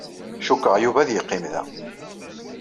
Cikkeɣ Yuba ad yeqqim da.